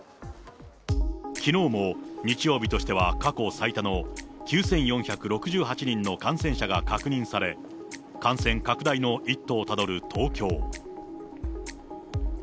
きのうも、日曜日としては過去最多の９４６８人の感染者が確認され、感染拡大の一途をたどる東京。